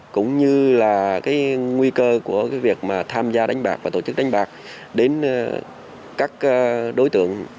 cũng như là cái nguy cơ của việc tham gia đánh bạc và tổ chức đánh bạc đến các đối tượng